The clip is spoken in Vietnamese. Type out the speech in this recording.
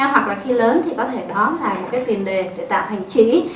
hoặc là khi lớn thì có thể đó là một cái tiền đề để tạo thành trĩ